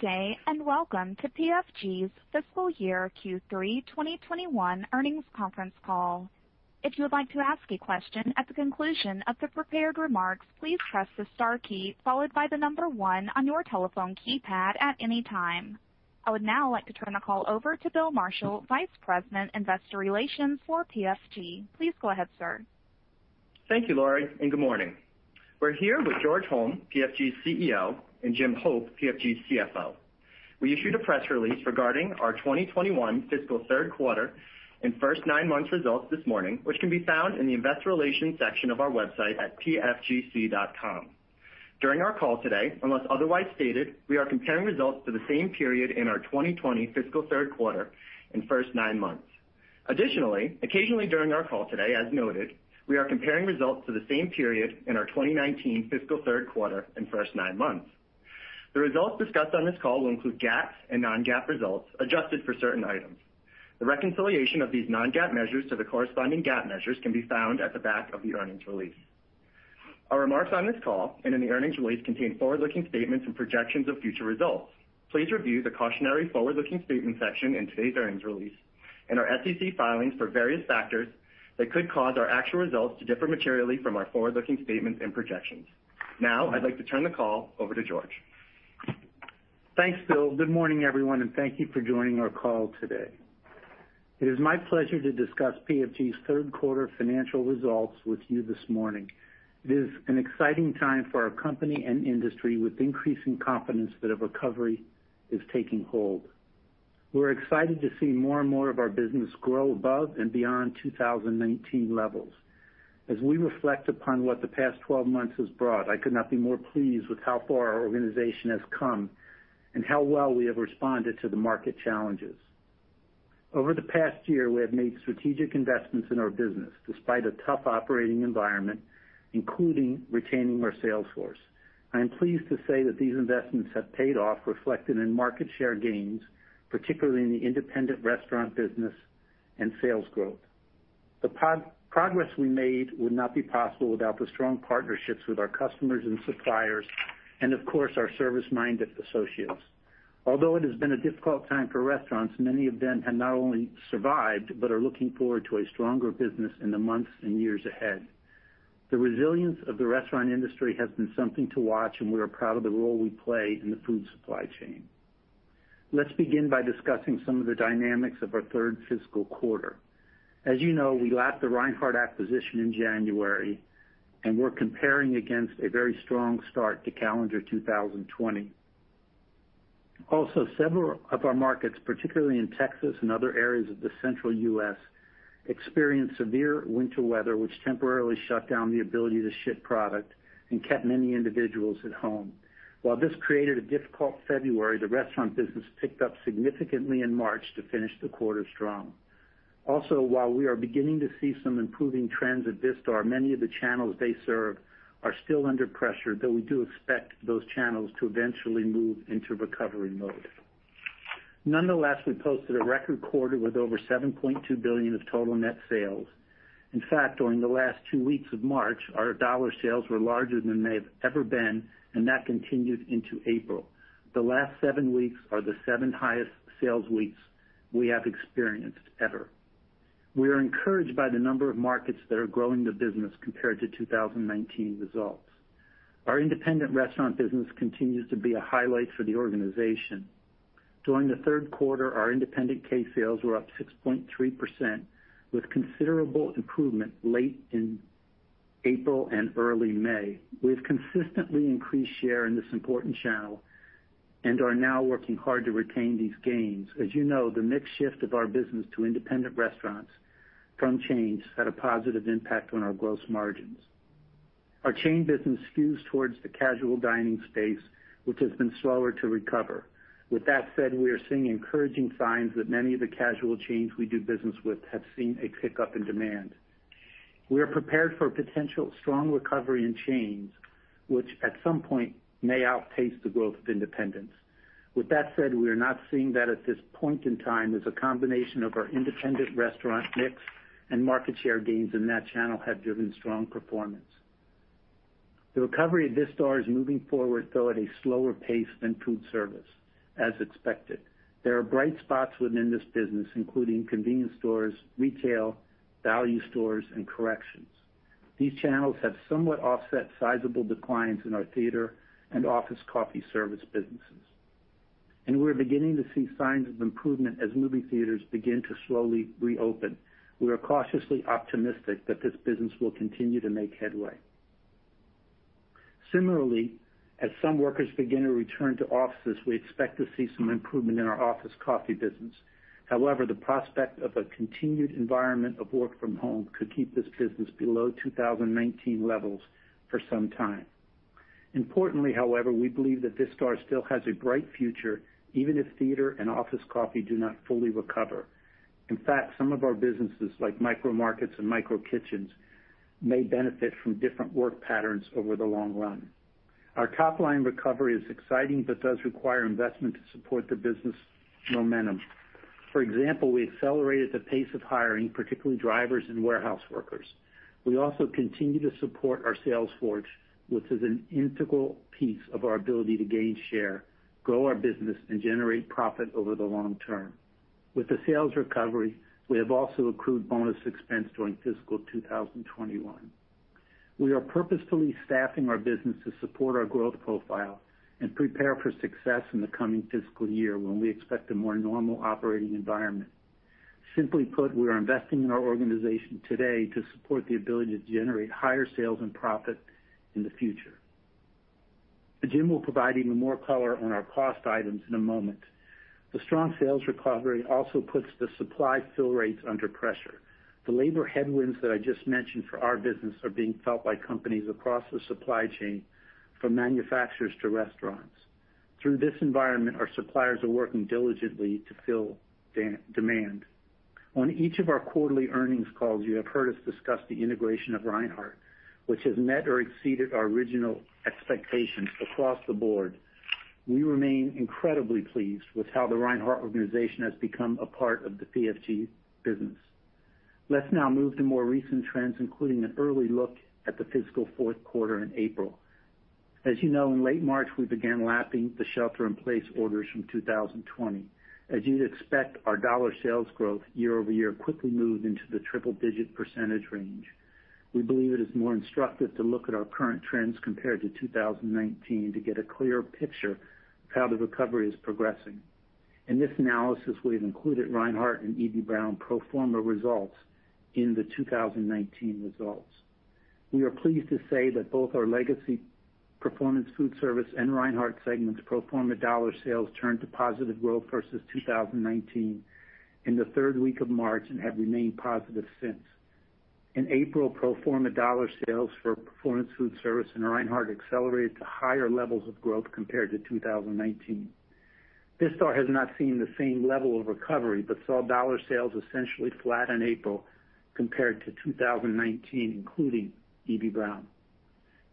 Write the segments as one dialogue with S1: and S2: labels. S1: Good day. Welcome to PFG's fiscal year Q3 2021 earnings conference call. If you would like to ask a question at the conclusion of the prepared remarks, please press the star key followed by the number one on your telephone keypad at any time. I would now like to turn the call over to Bill Marshall, Vice President, Investor Relations for PFG. Please go ahead, sir.
S2: Thank you, Laurie. Good morning. We're here with George Holm, PFG's CEO, and Jim Hope, PFG's CFO. We issued a press release regarding our 2021 fiscal third quarter and first nine months results this morning, which can be found in the Investor Relations section of our website at pfgc.com. During our call today, unless otherwise stated, we are comparing results to the same period in our 2020 fiscal third quarter and first nine months. Occasionally during our call today, as noted, we are comparing results to the same period in our 2019 fiscal third quarter and first nine months. The results discussed on this call will include GAAP and non-GAAP results, adjusted for certain items. The reconciliation of these non-GAAP measures to the corresponding GAAP measures can be found at the back of the earnings release. Our remarks on this call and in the earnings release contain forward-looking statements and projections of future results. Please review the cautionary forward-looking statements section in today's earnings release and our SEC filings for various factors that could cause our actual results to differ materially from our forward-looking statements and projections. Now, I'd like to turn the call over to George.
S3: Thanks, Bill. Good morning, everyone. Thank you for joining our call today. It is my pleasure to discuss PFG's third quarter financial results with you this morning. It is an exciting time for our company and industry, with increasing confidence that a recovery is taking hold. We're excited to see more and more of our business grow above and beyond 2019 levels. As we reflect upon what the past 12 months has brought, I could not be more pleased with how far our organization has come and how well we have responded to the market challenges. Over the past year, we have made strategic investments in our business, despite a tough operating environment, including retaining our sales force. I am pleased to say that these investments have paid off, reflected in market share gains, particularly in the independent restaurant business and sales growth. The progress we made would not be possible without the strong partnerships with our customers and suppliers, and of course, our service-minded associates. Although it has been a difficult time for restaurants, many of them have not only survived but are looking forward to a stronger business in the months and years ahead. The resilience of the restaurant industry has been something to watch, and we are proud of the role we play in the food supply chain. Let's begin by discussing some of the dynamics of our third fiscal quarter. As you know, we lapped the Reinhart acquisition in January, and we're comparing against a very strong start to calendar 2020. Also, several of our markets, particularly in Texas and other areas of the central U.S., experienced severe winter weather, which temporarily shut down the ability to ship product and kept many individuals at home. While this created a difficult February, the restaurant business picked up significantly in March to finish the quarter strong. While we are beginning to see some improving trends at Vistar, many of the channels they serve are still under pressure, though we do expect those channels to eventually move into recovery mode. Nonetheless, we posted a record quarter with over $7.2 billion of total net sales. In fact, during the last two weeks of March, our dollar sales were larger than they've ever been, and that continued into April. The last seven weeks are the seventh highest sales weeks we have experienced ever. We are encouraged by the number of markets that are growing the business compared to 2019 results. Our independent restaurant business continues to be a highlight for the organization. During the third quarter, our independent case sales were up 6.3%, with considerable improvement late in April and early May. We have consistently increased share in this important channel and are now working hard to retain these gains. As you know, the mix shift of our business to independent restaurants from chains had a positive impact on our gross margins. Our chain business skews towards the casual dining space, which has been slower to recover. With that said, we are seeing encouraging signs that many of the casual chains we do business with have seen a pick up in demand. We are prepared for a potential strong recovery in chains, which at some point may outpace the growth of independents. With that said, we are not seeing that at this point in time, as a combination of our independent restaurant mix and market share gains in that channel have driven strong performance. The recovery at Vistar is moving forward, though at a slower pace than foodservice, as expected. There are bright spots within this business, including convenience stores, retail, value stores, and corrections. These channels have somewhat offset sizable declines in our theater and office coffee service businesses, and we're beginning to see signs of improvement as movie theaters begin to slowly reopen. We are cautiously optimistic that this business will continue to make headway. Similarly, as some workers begin to return to offices, we expect to see some improvement in our office coffee business. However, the prospect of a continued environment of work from home could keep this business below 2019 levels for some time. Importantly, however, we believe that Vistar still has a bright future, even if theater and office coffee do not fully recover. In fact, some of our businesses, like micro markets and micro kitchens, may benefit from different work patterns over the long-run. Our top-line recovery is exciting but does require investment to support the business momentum. For example, we accelerated the pace of hiring, particularly drivers and warehouse workers. We also continue to support our sales force, which is an integral piece of our ability to gain share, grow our business, and generate profit over the long-term. With the sales recovery, we have also accrued bonus expense during fiscal 2021. We are purposefully staffing our business to support our growth profile and prepare for success in the coming fiscal year when we expect a more normal operating environment. Simply put, we are investing in our organization today to support the ability to generate higher sales and profit in the future. Jim will provide even more color on our cost items in a moment. The strong sales recovery also puts the supply fill rates under pressure. The labor headwinds that I just mentioned for our business are being felt by companies across the supply chain, from manufacturers to restaurants. Through this environment, our suppliers are working diligently to fill demand. On each of our quarterly earnings calls, you have heard us discuss the integration of Reinhart, which has met or exceeded our original expectations across the board. We remain incredibly pleased with how the Reinhart organization has become a part of the PFG business. Let's now move to more recent trends, including an early look at the fiscal fourth quarter in April. As you know, in late March, we began lapping the shelter-in-place orders from 2020. As you'd expect, our dollar sales growth year-over-year quickly moved into the triple-digit percentage range. We believe it is more instructive to look at our current trends compared to 2019 to get a clearer picture of how the recovery is progressing. In this analysis, we've included Reinhart and Eby-Brown pro forma results in the 2019 results. We are pleased to say that both our legacy Performance Foodservice and Reinhart segments' pro forma dollar sales turned to positive growth versus 2019 in the third week of March and have remained positive since. In April, pro forma dollar sales for Performance Foodservice and Reinhart accelerated to higher levels of growth compared to 2019. Vistar has not seen the same level of recovery, but saw dollar sales essentially flat in April compared to 2019, including Eby-Brown.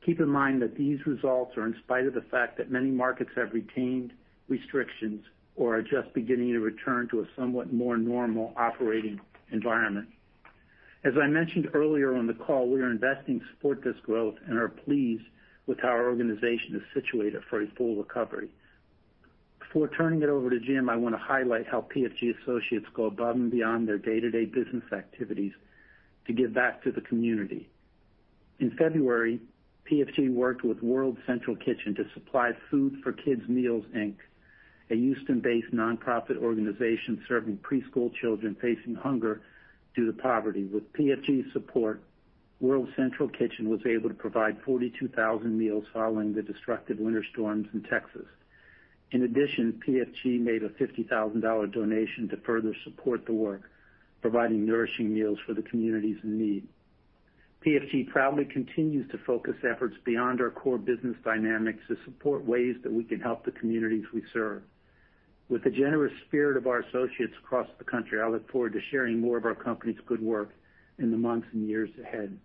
S3: Keep in mind that these results are in spite of the fact that many markets have retained restrictions or are just beginning to return to a somewhat more normal operating environment. As I mentioned earlier on the call, we are investing to support this growth and are pleased with how our organization is situated for a full recovery. Before turning it over to Jim, I want to highlight how PFG associates go above and beyond their day-to-day business activities to give back to the community. In February, PFG worked with World Central Kitchen to supply food for Kids' Meals, Inc., a Houston-based nonprofit organization serving preschool children facing hunger due to poverty. PFG's support, World Central Kitchen was able to provide 42,000 meals following the destructive winter storms in Texas. In addition, PFG made a $50,000 donation to further support the work, providing nourishing meals for the communities in need. PFG proudly continues to focus efforts beyond our core business dynamics to support ways that we can help the communities we serve. With the generous spirit of our associates across the country, I look forward to sharing more of our company's good work in the months and years ahead.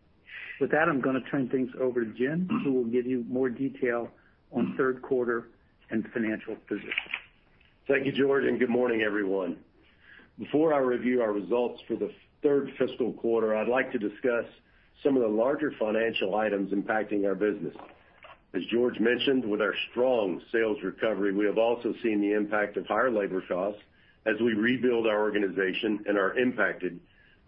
S3: I'm going to turn things over to Jim, who will give you more detail on third quarter and financial position.
S4: Thank you, George, and good morning, everyone. Before I review our results for the third fiscal quarter, I'd like to discuss some of the larger financial items impacting our business. As George mentioned, with our strong sales recovery, we have also seen the impact of higher labor costs as we rebuild our organization and are impacted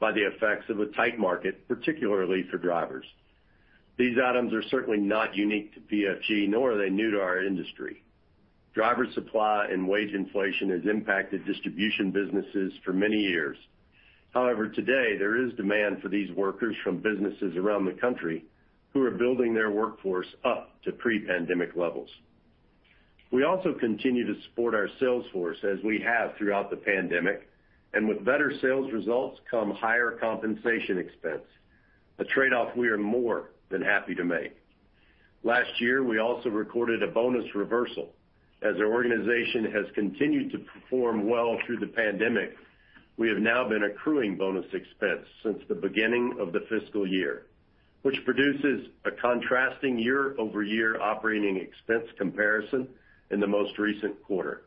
S4: by the effects of a tight market, particularly for drivers. These items are certainly not unique to PFG, nor are they new to our industry. Driver supply and wage inflation has impacted distribution businesses for many years. However, today, there is demand for these workers from businesses around the country who are building their workforce up to pre-pandemic levels. We also continue to support our sales force as we have throughout the pandemic, and with better sales results come higher compensation expense, a trade-off we are more than happy to make. Last year, we also recorded a bonus reversal. As our organization has continued to perform well through the pandemic, we have now been accruing bonus expense since the beginning of the fiscal year, which produces a contrasting year-over-year operating expense comparison in the most recent quarter.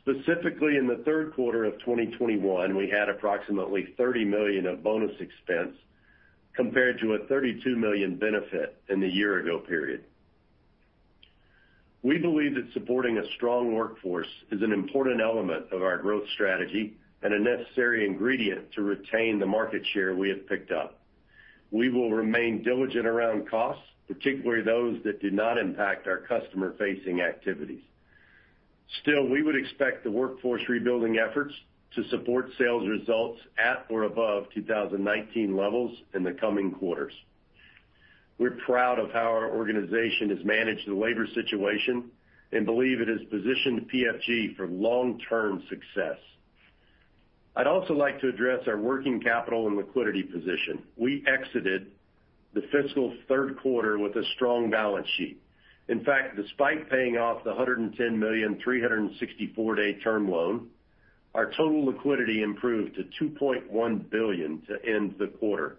S4: Specifically, in the third quarter of 2021, we had approximately $30 million of bonus expense compared to a $32 million benefit in the year-ago period. We believe that supporting a strong workforce is an important element of our growth strategy and a necessary ingredient to retain the market share we have picked up. We will remain diligent around costs, particularly those that do not impact our customer-facing activities. Still, we would expect the workforce rebuilding efforts to support sales results at or above 2019 levels in the coming quarters. We're proud of how our organization has managed the labor situation and believe it has positioned PFG for long-term success. I'd also like to address our working capital and liquidity position. We exited the fiscal third quarter with a strong balance sheet. In fact, despite paying off the $110 million 364-day term loan, our total liquidity improved to $2.1 billion to end the quarter.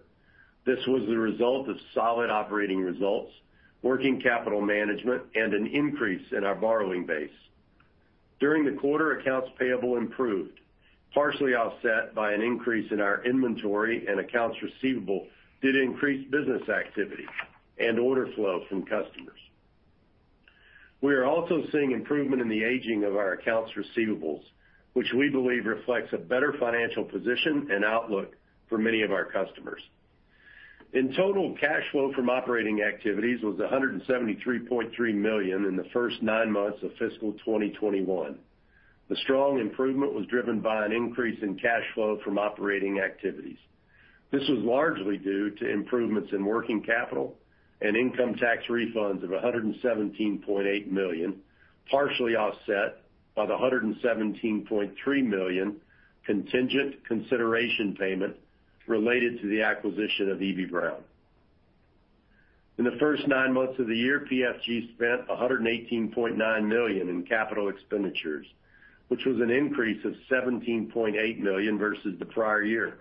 S4: This was the result of solid operating results, working capital management, and an increase in our borrowing base. During the quarter, accounts payable improved, partially offset by an increase in our inventory and accounts receivable due to increased business activity and order flow from customers. We are also seeing improvement in the aging of our accounts receivables, which we believe reflects a better financial position and outlook for many of our customers. In total, cash flow from operating activities was $173.3 million in the first nine months of fiscal 2021. The strong improvement was driven by an increase in cash flow from operating activities. This was largely due to improvements in working capital and income tax refunds of $117.8 million, partially offset by the $117.3 million contingent consideration payment related to the acquisition of Eby-Brown. In the first nine months of the year, PFG spent $118.9 million in capital expenditures, which was an increase of $17.8 million versus the prior year.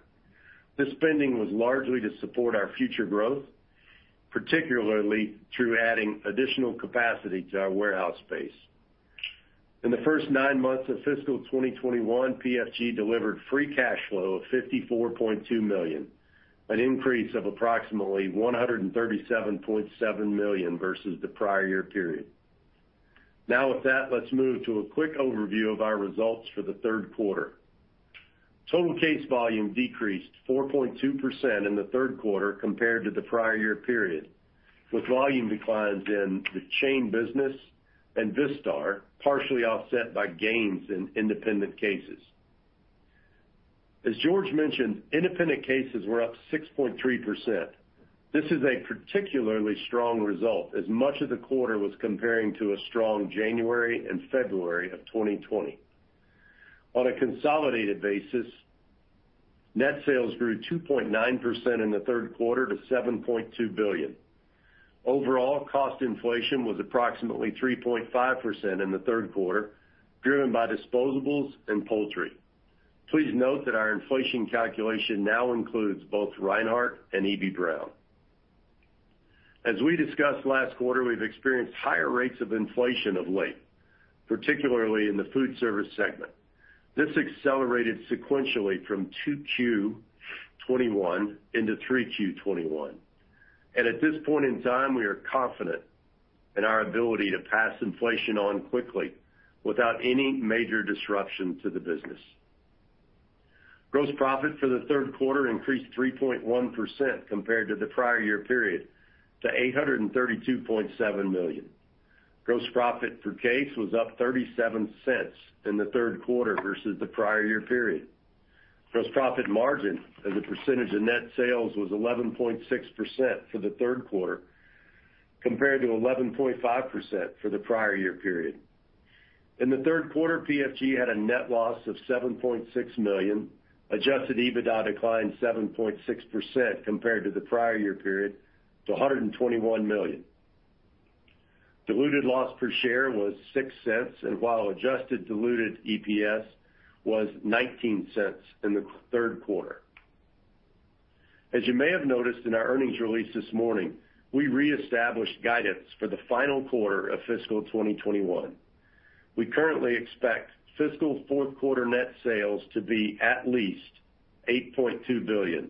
S4: This spending was largely to support our future growth, particularly through adding additional capacity to our warehouse space. In the first nine months of fiscal 2021, PFG delivered free cash flow of $54.2 million, an increase of approximately $137.7 million versus the prior year period. With that, let's move to a quick overview of our results for the third quarter. Total case volume decreased 4.2% in the third quarter compared to the prior year period, with volume declines in the chain business and Vistar partially offset by gains in independent cases. As George mentioned, independent cases were up 6.3%. This is a particularly strong result, as much of the quarter was comparing to a strong January and February of 2020. On a consolidated basis, net sales grew 2.9% in the third quarter to $7.2 billion. Cost inflation was approximately 3.5% in the third quarter, driven by disposables and poultry. Please note that our inflation calculation now includes both Reinhart and Eby-Brown. As we discussed last quarter, we've experienced higher rates of inflation of late, particularly in the foodservice segment. This accelerated sequentially from 2Q21 into 3Q21. At this point in time, we are confident in our ability to pass inflation on quickly without any major disruption to the business. Gross profit for the third quarter increased 3.1% compared to the prior year period to $832.7 million. Gross profit per case was up $0.37 in the third quarter versus the prior year period. Gross profit margin as a percentage of net sales was 11.6% for the third quarter, compared to 11.5% for the prior year period. In the third quarter, PFG had a net loss of $7.6 million. Adjusted EBITDA declined 7.6% compared to the prior year period to $121 million. Diluted loss per share was $0.06, and while adjusted diluted EPS was $0.19 in the third quarter. As you may have noticed in our earnings release this morning, we reestablished guidance for the final quarter of fiscal 2021. We currently expect fiscal fourth quarter net sales to be at least $8.2 billion,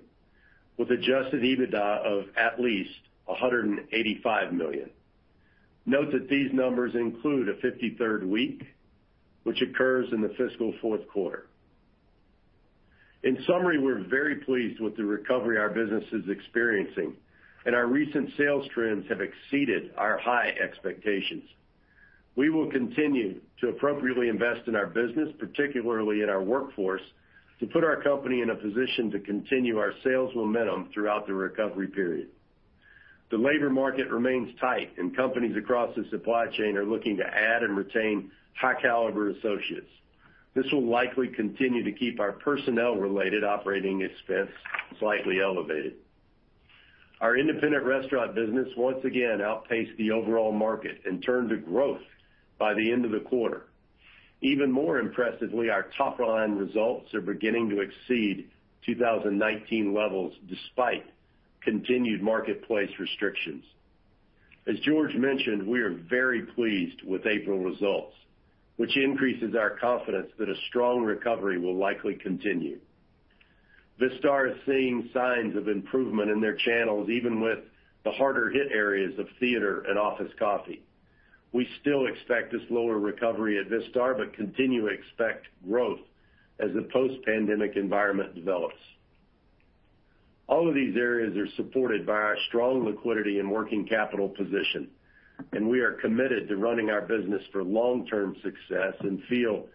S4: with Adjusted EBITDA of at least $185 million. Note that these numbers include a 53rd week, which occurs in the fiscal fourth quarter. In summary, we're very pleased with the recovery our business is experiencing, and our recent sales trends have exceeded our high expectations. We will continue to appropriately invest in our business, particularly in our workforce, to put our company in a position to continue our sales momentum throughout the recovery period. The labor market remains tight, companies across the supply chain are looking to add and retain high caliber associates. This will likely continue to keep our personnel-related operating expense slightly elevated. Our independent restaurant business once again outpaced the overall market in terms of growth by the end of the quarter. Even more impressively, our top-line results are beginning to exceed 2019 levels, despite continued marketplace restrictions. As George mentioned, we are very pleased with April results, which increases our confidence that a strong recovery will likely continue. Vistar is seeing signs of improvement in their channels, even with the harder hit areas of theater and office coffee. We still expect a slower recovery at Vistar, but continue to expect growth as the post-pandemic environment develops. All of these areas are supported by our strong liquidity and working capital position, and we are committed to running our business for long-term success and feel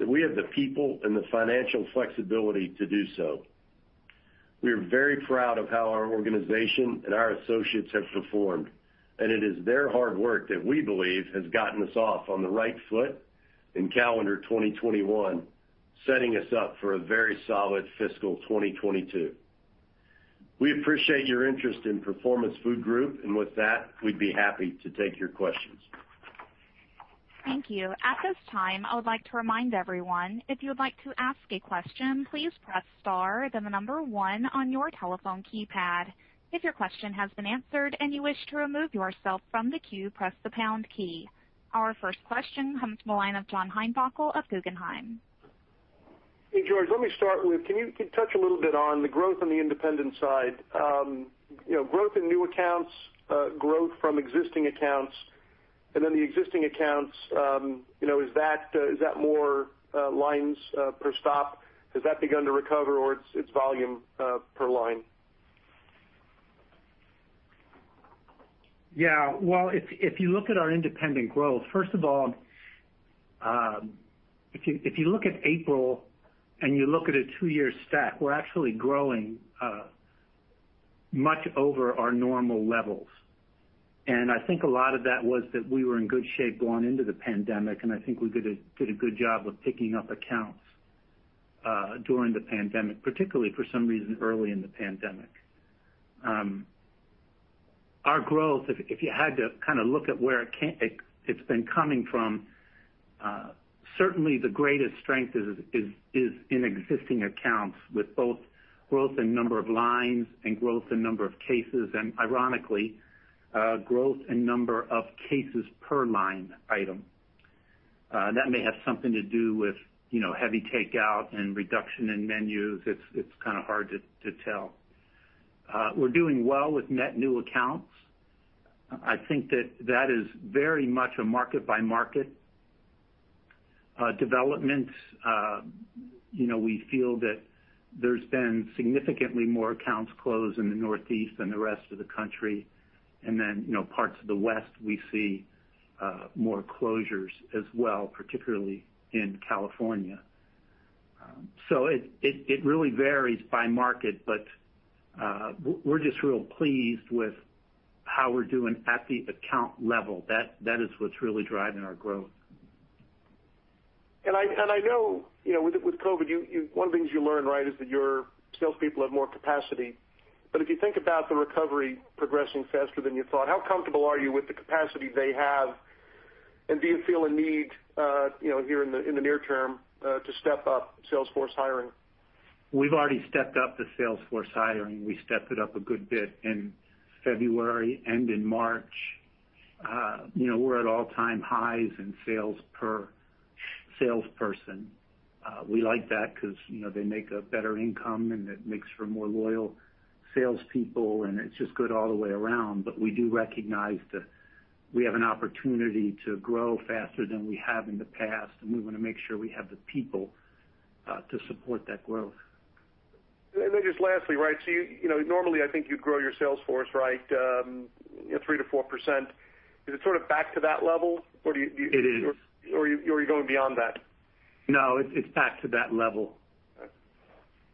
S4: that we have the people and the financial flexibility to do so. We are very proud of how our organization and our associates have performed, and it is their hard work that we believe has gotten us off on the right foot in calendar 2021, setting us up for a very solid fiscal 2022. We appreciate your interest in Performance Food Group, and with that, we'd be happy to take your questions.
S1: Thank you. At this time, I would like to remind everyone, if you would like to ask a question, please press star, then the number one on your telephone keypad. If your question has been answered and you wish to remove yourself from the queue, press the pound key. Our first question comes from the line of John Heinbockel of Guggenheim.
S5: Hey, George, let me start with, can you touch a little bit on the growth on the independent side? Growth in new accounts, growth from existing accounts, and then the existing accounts, is that more lines per stop? Has that begun to recover or it's volume per line?
S3: Yeah. Well, if you look at our independent growth, first of all, if you look at April and you look at a two-year stack, we're actually growing much over our normal levels. I think a lot of that was that we were in good shape going into the pandemic, and I think we did a good job of picking up accounts during the pandemic, particularly for some reason early in the pandemic. Our growth, if you had to kind of look at where it's been coming from, certainly the greatest strength is in existing accounts with both growth in number of lines and growth in number of cases and, ironically, growth in number of cases per line item. That may have something to do with heavy takeout and reduction in menus. It's kind of hard to tell. We're doing well with net new accounts. I think that that is very much a market-by-market development. We feel that there's been significantly more accounts closed in the Northeast than the rest of the country. Parts of the West, we see more closures as well, particularly in California. It really varies by market, but we're just real pleased with how we're doing at the account level. That is what's really driving our growth.
S5: I know, with COVID, one of the things you learn is that your salespeople have more capacity. If you think about the recovery progressing faster than you thought, how comfortable are you with the capacity they have, and do you feel a need here in the near-term to step up sales force hiring?
S3: We've already stepped up the sales force hiring. We stepped it up a good bit in February and in March. We're at all-time highs in sales per salesperson. We like that because they make a better income, and it makes for more loyal salespeople, and it's just good all the way around. We do recognize that we have an opportunity to grow faster than we have in the past, and we want to make sure we have the people to support that growth.
S5: Just lastly. Normally, I think you'd grow your sales force 3%-4%. Is it sort of back to that level?
S3: It is.
S5: Are you going beyond that?
S3: No, it's back to that level.
S5: Okay.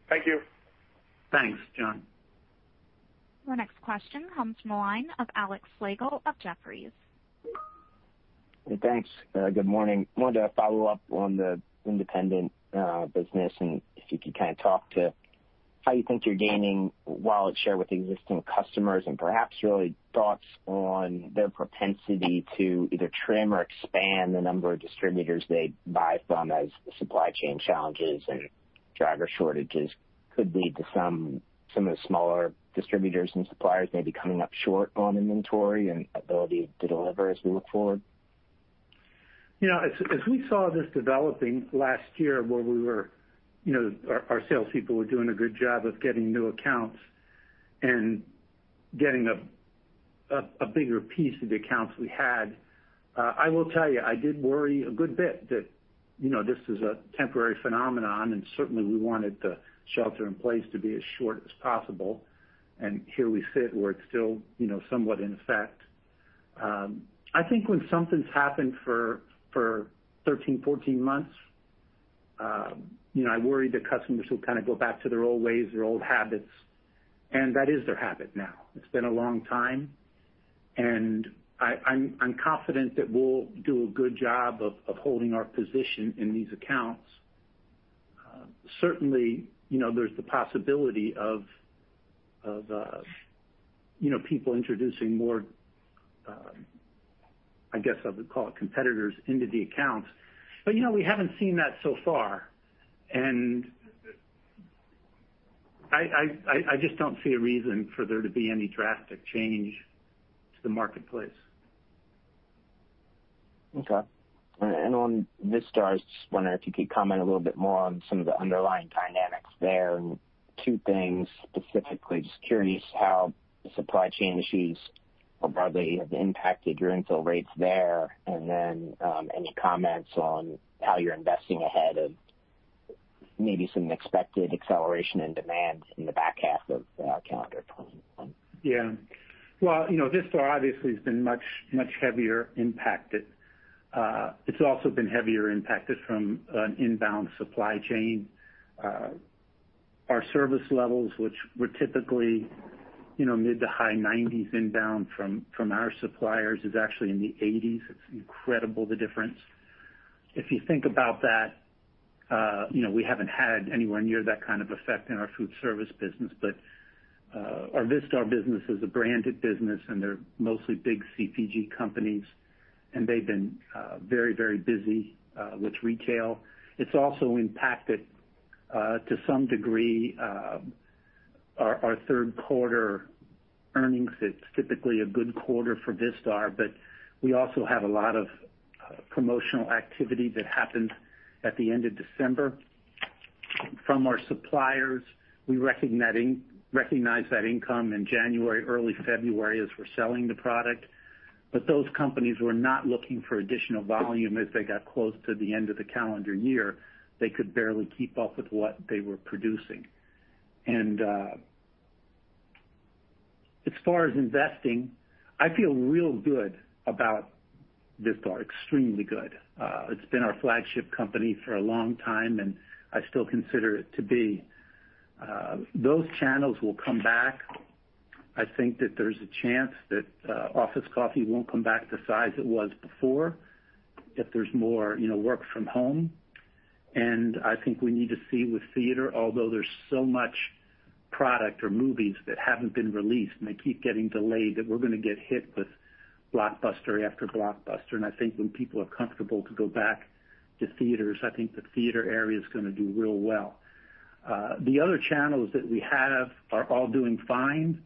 S5: Thank you.
S3: Thanks, John.
S1: Our next question comes from the line of Alex Slagle of Jefferies.
S6: Hey, thanks. Good morning. Wanted to follow up on the independent business, and if you could kind of talk to how you think you're gaining wallet share with existing customers, and perhaps your thoughts on their propensity to either trim or expand the number of distributors they buy from as the supply chain challenges and driver shortages could lead to some of the smaller distributors and suppliers maybe coming up short on inventory and ability to deliver as we look forward.
S3: As we saw this developing last year where our salespeople were doing a good job of getting new accounts and getting a bigger piece of the accounts we had, I will tell you, I did worry a good bit that this is a temporary phenomenon, and certainly we wanted the shelter in place to be as short as possible. Here we sit where it's still somewhat in effect. I think when something's happened for 13, 14 months, I worry that customers will kind of go back to their old ways, their old habits, and that is their habit now. It's been a long time. I'm confident that we'll do a good job of holding our position in these accounts. Certainly, there's the possibility of people introducing more, I guess I would call it competitors into the accounts. We haven't seen that so far. I just don't see a reason for there to be any drastic change to the marketplace.
S6: Okay. On Vistar, I was just wondering if you could comment a little bit more on some of the underlying dynamics there. Two things specifically. Just curious how the supply chain issues more broadly have impacted your infill rates there, and then any comments on how you're investing ahead of maybe some expected acceleration in demand in the back half of calendar 2021.
S3: Yeah. Well, Vistar obviously has been much heavier impacted. It has also been heavier impacted from an inbound supply chain. Our service levels, which were typically mid to high 90s inbound from our suppliers, is actually in the 80s. It is incredible the difference. If you think about that, we haven't had anywhere near that kind of effect in our foodservice business. Our Vistar business is a branded business, and they're mostly big CPG companies, and they've been very busy with retail. It has also impacted, to some degree, our third quarter earnings. It is typically a good quarter for Vistar, but we also have a lot of promotional activity that happened at the end of December from our suppliers. We recognize that income in January, early February, as we're selling the product. Those companies were not looking for additional volume as they got close to the end of the calendar year. They could barely keep up with what they were producing. As far as investing, I feel real good about Vistar. Extremely good. It's been our flagship company for a long time, and I still consider it to be. Those channels will come back. I think that there's a chance that office coffee won't come back the size it was before, if there's more work from home. I think we need to see with theater, although there's so much product or movies that haven't been released, and they keep getting delayed, that we're going to get hit with blockbuster after blockbuster. I think when people are comfortable to go back to theaters, I think the theater area is going to do real well. The other channels that we have are all doing fine.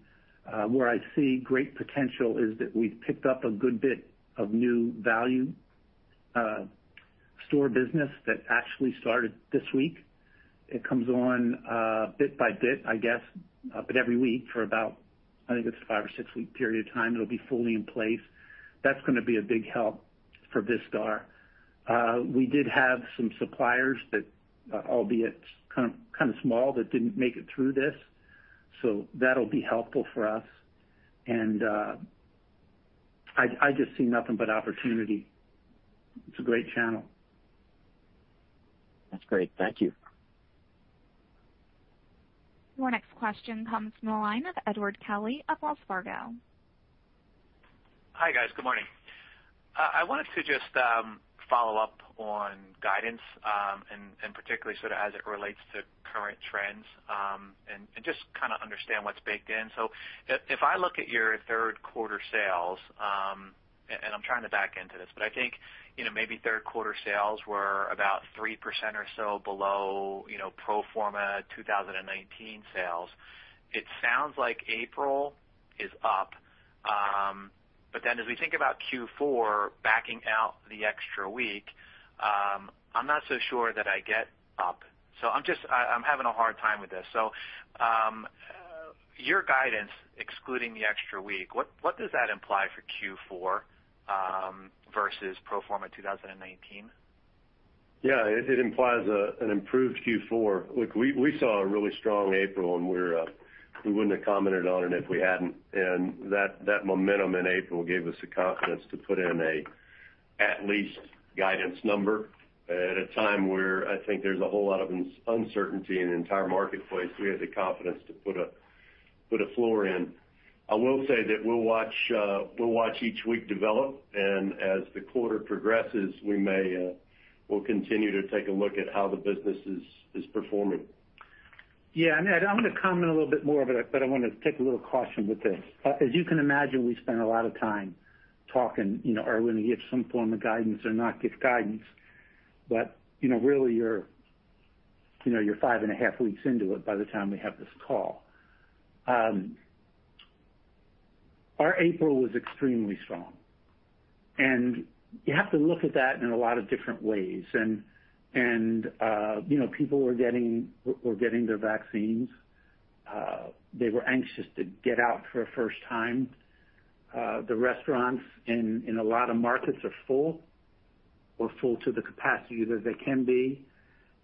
S3: Where I see great potential is that we've picked up a good bit of new value store business that actually started this week. It comes on bit by bit, I guess, but every week for about, I think, it's a five or six-week period of time, it'll be fully in place. That's going to be a big help for Vistar. We did have some suppliers that, albeit kind of small, that didn't make it through this. That'll be helpful for us. I just see nothing but opportunity. It's a great channel.
S6: That's great. Thank you.
S1: Your next question comes from the line of Edward Kelly of Wells Fargo.
S7: Hi, guys. Good morning. I wanted to just follow up on guidance, and particularly as it relates to current trends. Just kind of understand what's baked in. If I look at your third quarter sales, and I'm trying to back into this, but I think maybe third quarter sales were about 3% or so below pro forma 2019 sales. It sounds like April is up. As we think about Q4, backing out the extra week, I'm not so sure that I get up. I'm having a hard time with this. Your guidance, excluding the extra week, what does that imply for Q4 versus pro forma 2019?
S4: It implies an improved Q4. Look, we saw a really strong April. We wouldn't have commented on it if we hadn't. That momentum in April gave us the confidence to put in an at least guidance number at a time where I think there's a whole lot of uncertainty in the entire marketplace. We have the confidence to put a floor in. I will say that we'll watch each week develop. As the quarter progresses, we'll continue to take a look at how the business is performing.
S3: Edward, I'm going to comment a little bit more. I want to take a little caution with this. As you can imagine, we spend a lot of time talking, are we going to give some form of guidance or not give guidance? Really you're five and a half weeks into it by the time we have this call. Our April was extremely strong, and you have to look at that in a lot of different ways. People were getting their vaccines. They were anxious to get out for a first time. The restaurants in a lot of markets are full or full to the capacity that they can be.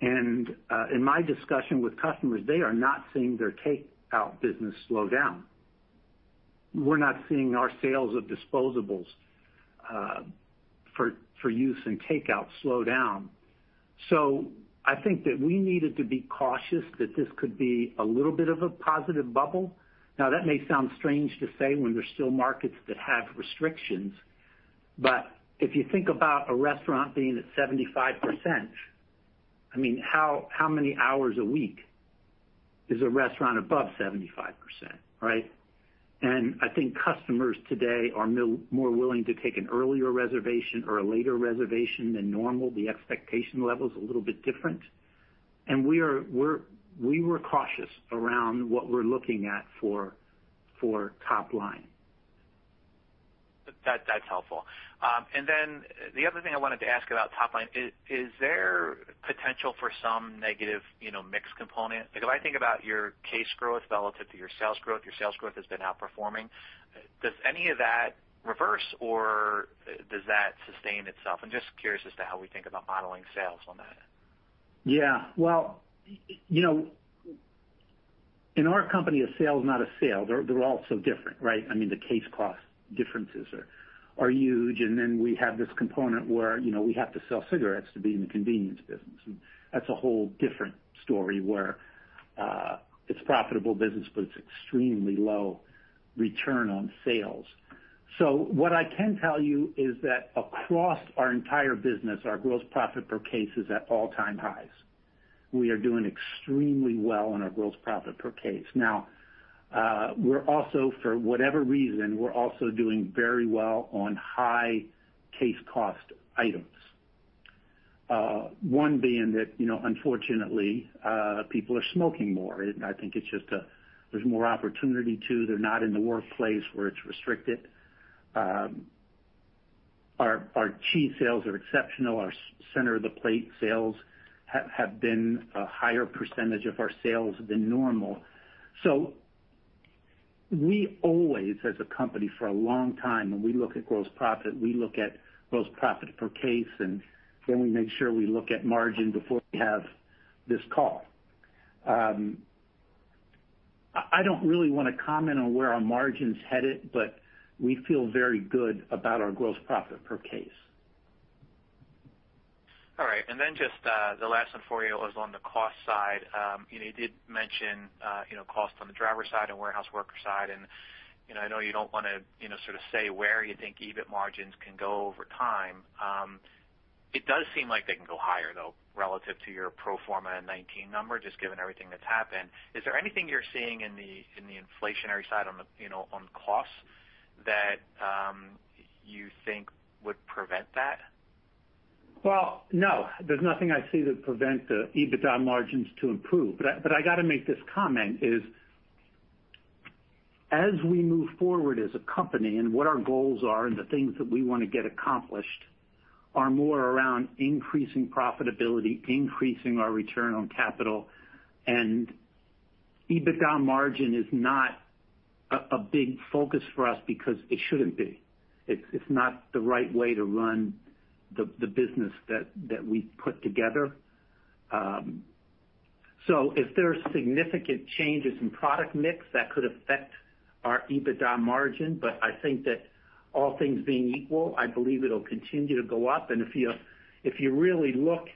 S3: In my discussion with customers, they are not seeing their takeout business slow down. We're not seeing our sales of disposables for use in takeout slow down. I think that we needed to be cautious that this could be a little bit of a positive bubble. That may sound strange to say when there's still markets that have restrictions, but if you think about a restaurant being at 75%, how many hours a week is a restaurant above 75%? Right? I think customers today are more willing to take an earlier reservation or a later reservation than normal. The expectation level is a little bit different. We were cautious around what we're looking at for top line.
S7: That's helpful. The other thing I wanted to ask about top line, is there potential for some negative mixed component? If I think about your case growth relative to your sales growth, your sales growth has been outperforming. Does any of that reverse, or does that sustain itself? I'm just curious as to how we think about modeling sales on that.
S3: Yeah. Well, in our company, a sale is not a sale. They're all so different, right? The case cost differences are huge, and then we have this component where we have to sell cigarettes to be in the convenience business, and that's a whole different story where it's profitable business, but it's extremely low return on sales. What I can tell you is that across our entire business, our gross profit per case is at all-time highs. We are doing extremely well on our gross profit per case. Now, for whatever reason, we're also doing very well on high case cost items. One being that, unfortunately, people are smoking more. I think there's more opportunity to. They're not in the workplace where it's restricted. Our cheese sales are exceptional. Our center of the plate sales have been a higher % of our sales than normal. We always, as a company for a long time, when we look at gross profit, we look at gross profit per case, and then we make sure we look at margin before we have this call. I don't really want to comment on where our margin's headed, but we feel very good about our gross profit per case.
S7: All right. Just the last one for you was on the cost side. You did mention costs on the driver side and warehouse worker side, and I know you don't want to say where you think EBIT margins can go over time. It does seem like they can go higher, though, relative to your pro forma and 2019 number, just given everything that's happened. Is there anything you're seeing in the inflationary side on costs that you think would prevent that?
S3: Well, no. There's nothing I see that prevents the EBITDA margins to improve. I got to make this comment is, as we move forward as a company and what our goals are and the things that we want to get accomplished are more around increasing profitability, increasing our return on capital. EBITDA margin is not a big focus for us because it shouldn't be. It's not the right way to run the business that we've put together. If there's significant changes in product mix, that could affect our EBITDA margin. I think that all things being equal, I believe it'll continue to go up. If you really look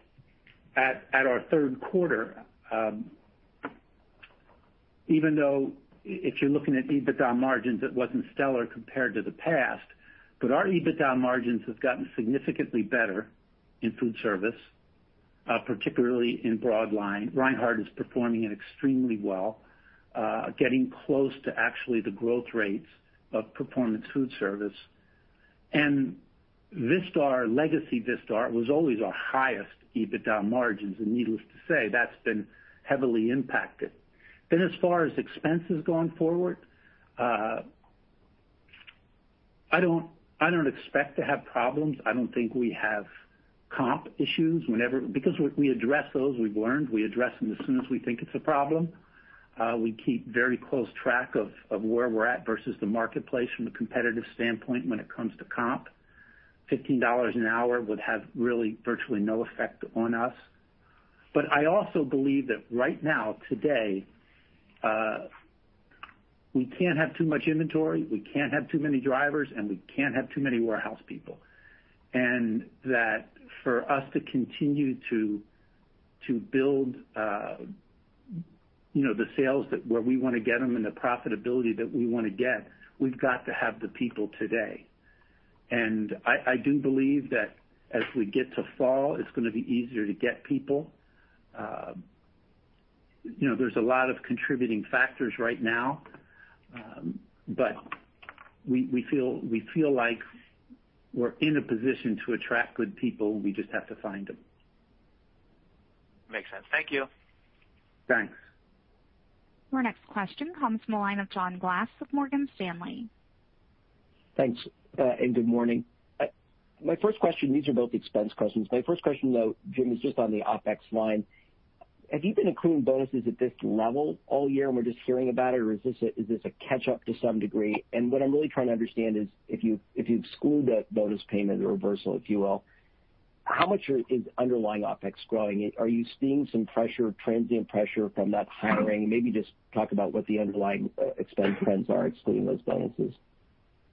S3: at our third quarter, even though if you're looking at EBITDA margins, it wasn't stellar compared to the past, but our EBITDA margins have gotten significantly better in foodservice, particularly in broad line. Reinhart is performing extremely well, getting close to actually the growth rates of Performance Foodservice. Vistar, legacy Vistar, was always our highest EBITDA margins, and needless to say, that's been heavily impacted. As far as expenses going forward, I don't expect to have problems. I don't think we have comp issues. We address those, we've learned. We address them as soon as we think it's a problem. We keep very close track of where we're at versus the marketplace from a competitive standpoint when it comes to comp. $15 an hour would have really virtually no effect on us. I also believe that right now, today, we can't have too much inventory, we can't have too many drivers, and we can't have too many warehouse people. That for us to continue to build the sales where we want to get them and the profitability that we want to get, we've got to have the people today. I do believe that as we get to fall, it's going to be easier to get people. There's a lot of contributing factors right now, we feel like we're in a position to attract good people. We just have to find them.
S7: Makes sense. Thank you.
S3: Thanks.
S1: Our next question comes from the line of John Glass with Morgan Stanley.
S8: Thanks. Good morning. My first question, these are both expense questions. My first question, though, Jim, is just on the OpEx line. Have you been accruing bonuses at this level all year and we're just hearing about it, or is this a catch up to some degree? What I'm really trying to understand is if you've smoothed that bonus payment or reversal, if you will, how much is underlying OpEx growing? Are you seeing some pressure, transient pressure from that hiring? Maybe just talk about what the underlying expense trends are excluding those bonuses.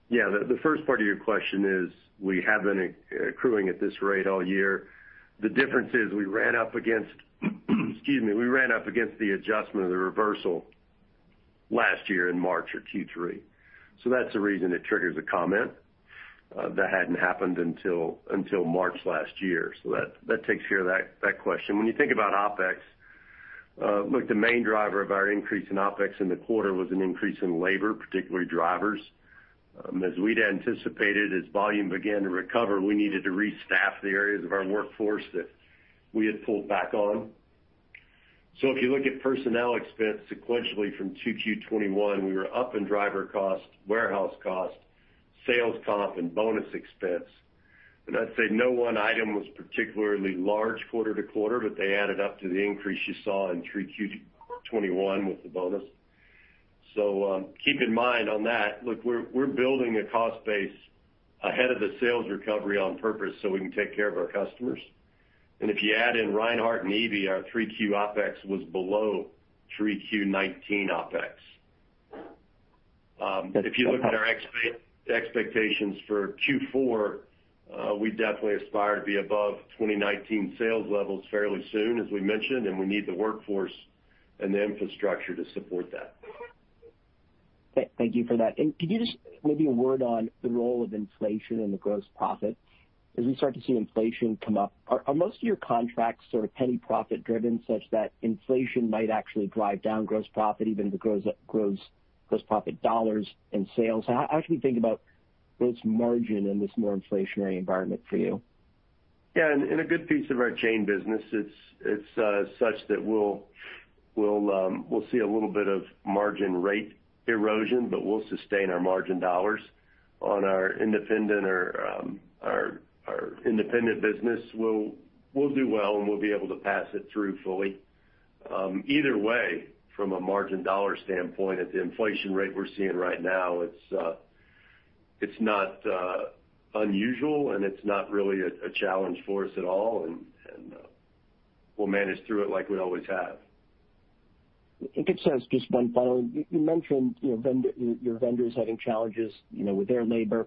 S4: Yeah. The first part of your question is, we have been accruing at this rate all year. The difference is we ran up against the adjustment of the reversal last year in March or Q3. That's the reason it triggers a comment. That hadn't happened until March last year. That takes care of that question. When you think about OpEx, look, the main driver of our increase in OpEx in the quarter was an increase in labor, particularly drivers. As we'd anticipated, as volume began to recover, we needed to restaff the areas of our workforce that we had pulled back on. If you look at personnel expense sequentially from 2Q21, we were up in driver cost, warehouse cost, sales comp, and bonus expense. I'd say no one item was particularly large quarter-to-quarter, but they added up to the increase you saw in 3Q 2021 with the bonus. Keep in mind on that, look, we're building a cost base ahead of the sales recovery on purpose so we can take care of our customers. If you add in Reinhart and Eby, our 3Q OpEx was below 3Q 2019 OpEx. If you look at our expectations for Q4, we definitely aspire to be above 2019 sales levels fairly soon, as we mentioned, and we need the workforce and the infrastructure to support that.
S8: Thank you for that. Could you just maybe a word on the role of inflation in the gross profit? As we start to see inflation come up, are most of your contracts sort of penny profit driven such that inflation might actually drive down gross profit even if it grows gross profit dollars in sales? How should we think about gross margin in this more inflationary environment for you?
S4: Yeah. In a good piece of our chain business, it's such that we'll see a little bit of margin rate erosion, but we'll sustain our margin dollars. On our independent business, we'll do well, and we'll be able to pass it through fully. Either way, from a margin dollar standpoint, at the inflation rate we're seeing right now, it's not unusual, and it's not really a challenge for us at all. We'll manage through it like we always have.
S8: If it says just one final. You mentioned your vendors having challenges with their labor.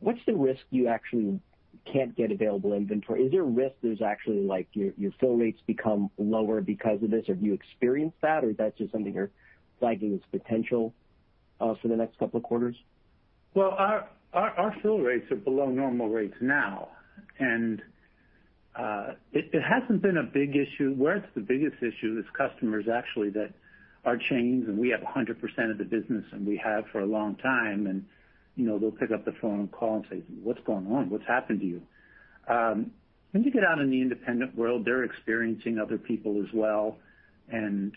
S8: What's the risk you actually can't get available inventory? Is there a risk there's actually like your fill rates become lower because of this? Have you experienced that or is that just something you're flagging as potential for the next couple of quarters?
S3: Well, our fill rates are below normal rates now, and it hasn't been a big issue. Where it's the biggest issue is customers actually that are chains, and we have 100% of the business, and we have for a long time. They'll pick up the phone and call and say, "What's going on? What's happened to you?" When you get out in the independent world, they're experiencing other people as well, and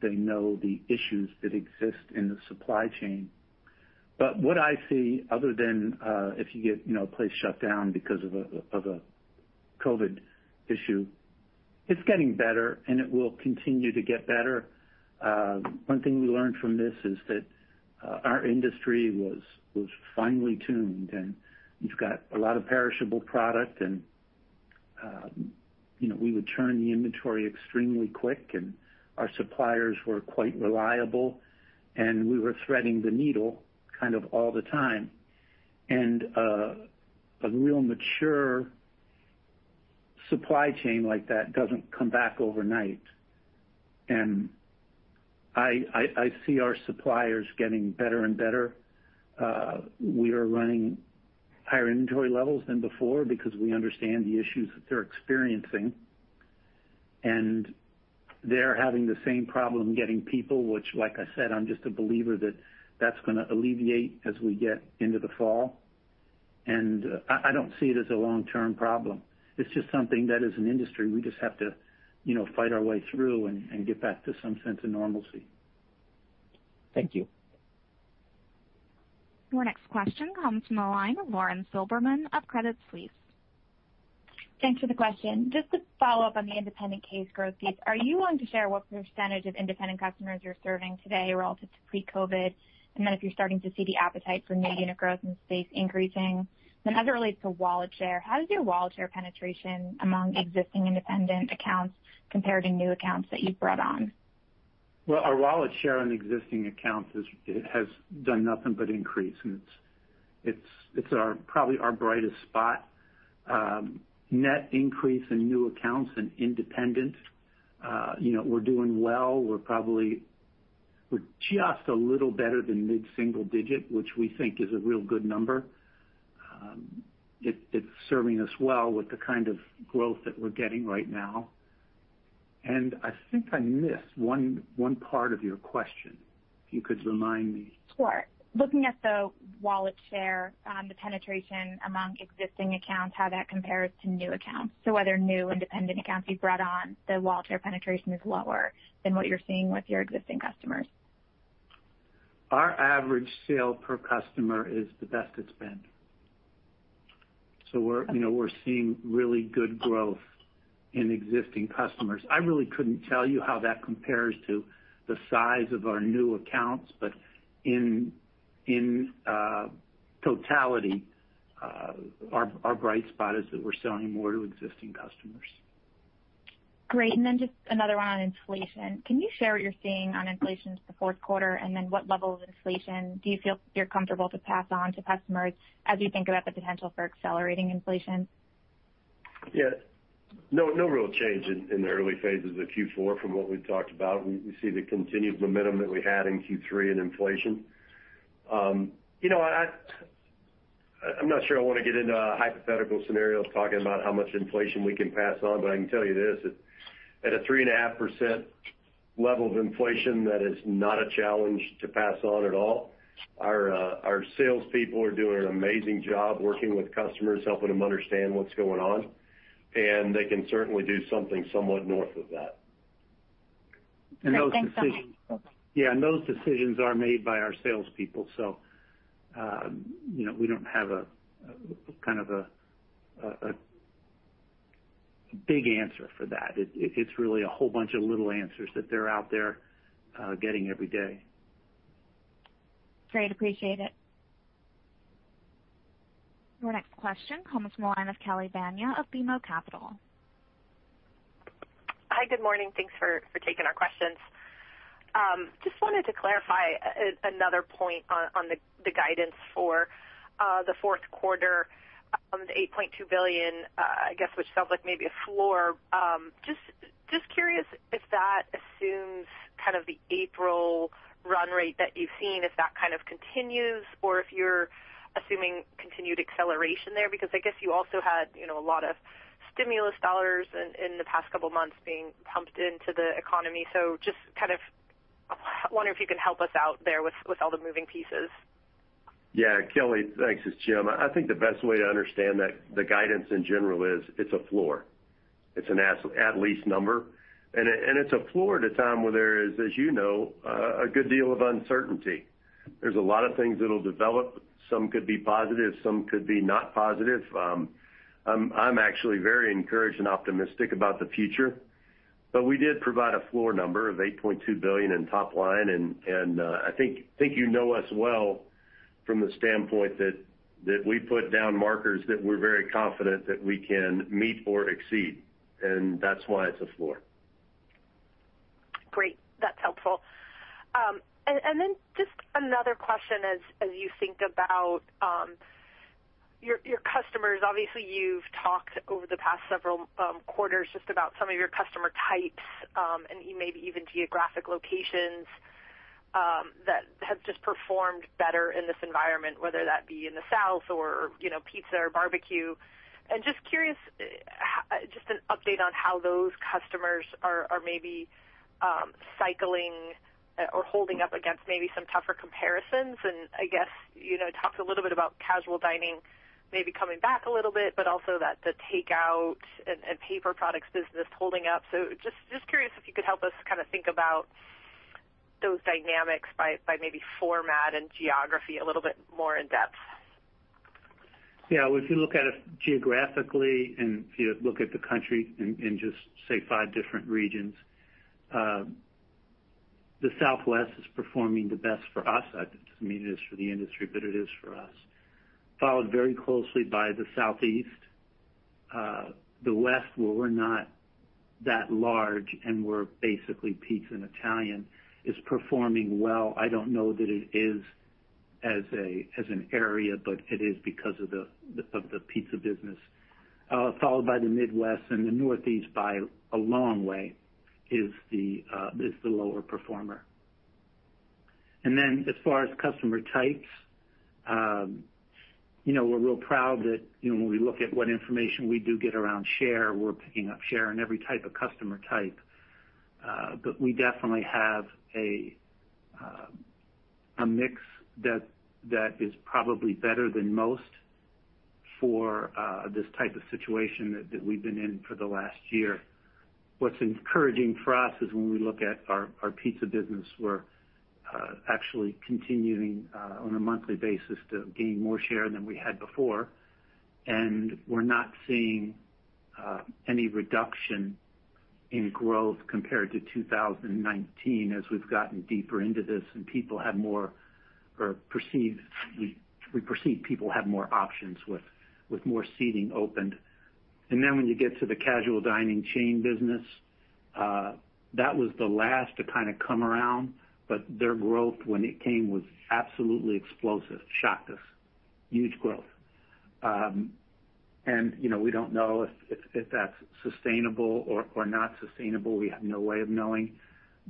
S3: they know the issues that exist in the supply chain. What I see other than if you get a place shut down because of a COVID issue, it's getting better, and it will continue to get better. One thing we learned from this is that our industry was finely tuned, and you've got a lot of perishable product and we would turn the inventory extremely quick, and our suppliers were quite reliable, and we were threading the needle kind of all the time. A real mature supply chain like that doesn't come back overnight. I see our suppliers getting better and better. We are running higher inventory levels than before because we understand the issues that they're experiencing, and they're having the same problem getting people which, like I said, I'm just a believer that that's going to alleviate as we get into the fall. I don't see it as a long-term problem. It's just something that as an industry, we just have to fight our way through and get back to some sense of normalcy.
S8: Thank you.
S1: Your next question comes from the line of Lauren Silberman of Credit Suisse.
S9: Thanks for the question. Just to follow up on the independent case growth piece, are you willing to share what percentage of independent customers you're serving today relative to pre-COVID? If you're starting to see the appetite for new unit growth in the space increasing? As it relates to wallet share, how does your wallet share penetration among existing independent accounts compare to new accounts that you've brought on?
S3: Our wallet share on existing accounts has done nothing but increase, and it's probably our brightest spot. Net increase in new accounts and independents, we're doing well. We're just a little better than mid-single digit, which we think is a real good number. It's serving us well with the kind of growth that we're getting right now. I think I missed one part of your question. If you could remind me.
S9: Sure. Looking at the wallet share, the penetration among existing accounts, how that compares to new accounts? Whether new independent accounts you've brought on, the wallet share penetration is lower than what you're seeing with your existing customers.
S3: Our average sale per customer is the best it's been. We're seeing really good growth in existing customers. I really couldn't tell you how that compares to the size of our new accounts. In totality, our bright spot is that we're selling more to existing customers.
S9: Great. Just another one on inflation. Can you share what you're seeing on inflation into the fourth quarter? What level of inflation do you feel you're comfortable to pass on to customers as you think about the potential for accelerating inflation?
S4: Yeah. No real change in the early phases of Q4 from what we've talked about. We see the continued momentum that we had in Q3 in inflation. I'm not sure I want to get into a hypothetical scenario talking about how much inflation we can pass on, but I can tell you this, at a 3.5% level of inflation, that is not a challenge to pass on at all. Our salespeople are doing an amazing job working with customers, helping them understand what's going on, and they can certainly do something somewhat north of that.
S3: And those decisions-
S9: Great. Thanks so much.
S3: Yeah, those decisions are made by our salespeople, so we don't have a kind of a big answer for that. It's really a whole bunch of little answers that they're out there getting everyday.
S9: Great. Appreciate it.
S1: Your next question comes from the line of Kelly Bania of BMO Capital.
S10: Hi, good morning. Thanks for taking our questions. Just wanted to clarify another point on the guidance for the fourth quarter on the $8.2 billion, I guess which sounds like maybe a floor. Just curious if that assumes kind of the April run rate that you've seen, if that kind of continues or if you're assuming continued acceleration there, because I guess you also had a lot of stimulus dollars in the past couple of months being pumped into the economy. Just kind of wonder if you can help us out there with all the moving pieces.
S4: Yeah. Kelly, thanks. It's Jim. I think the best way to understand the guidance in general is it's a floor. It's an at least number. It's a floor at a time where there is, as you know, a good deal of uncertainty. There's a lot of things that'll develop. Some could be positive, some could be not positive. I'm actually very encouraged and optimistic about the future. We did provide a floor number of $8.2 billion in top line, and I think you know us well from the standpoint that we put down markers that we're very confident that we can meet or exceed, and that's why it's a floor.
S10: Great. That's helpful. Just another question as you think about your customers. Obviously, you've talked over the past several quarters just about some of your customer types, and maybe even geographic locations that have just performed better in this environment, whether that be in the South or pizza or barbecue. Just curious, just an update on how those customers are maybe cycling or holding up against maybe some tougher comparisons. I guess, talked a little bit about casual dining maybe coming back a little bit, but also that the takeout and paper products business holding up. Just curious if you could help us kind of think about those dynamics by maybe format and geography a little bit more in depth.
S3: Yeah. If you look at it geographically and if you look at the country in just, say, five different regions, the Southwest is performing the best for us. I don't mean it is for the industry, but it is for us. Followed very closely by the Southeast. The West, where we're not that large and we're basically pizza and Italian, is performing well. I don't know that it is as an area, but it is because of the pizza business. Followed by the Midwest and the Northeast by a long way is the lower performer. As far as customer types, we're real proud that when we look at what information we do get around share, we're picking up share in every type of customer type. We definitely have a mix that is probably better than most for this type of situation that we've been in for the last year. What's encouraging for us is when we look at our pizza business, we're actually continuing on a monthly basis to gain more share than we had before, and we're not seeing any reduction in growth compared to 2019 as we've gotten deeper into this and we perceive people have more options with more seating opened. Then when you get to the casual dining chain business, that was the last to kind of come around, but their growth when it came was absolutely explosive. Shocked us. Huge growth. We don't know if that's sustainable or not sustainable. We have no way of knowing.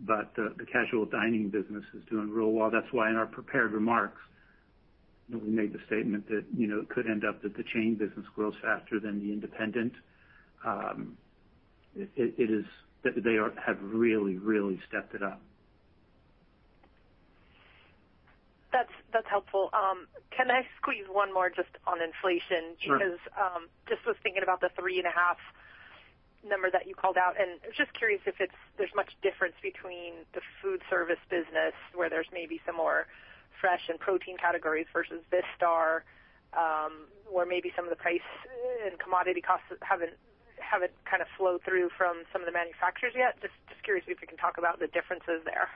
S3: The casual dining business is doing real well. That's why in our prepared remarks, we made the statement that it could end up that the chain business grows faster than the independent. They have really, really stepped it up.
S10: That's helpful. Can I squeeze one more just on inflation?
S3: Sure.
S10: Just was thinking about the 3.5 number that you called out, and was just curious if there's much difference between the food service business, where there's maybe some more fresh and protein categories versus Vistar, where maybe some of the price and commodity costs haven't kind of flowed through from some of the manufacturers yet. Just curious if you can talk about the differences there.